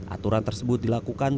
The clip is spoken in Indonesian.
aturan tersebut dilakukan